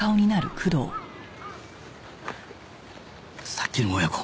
さっきの親子。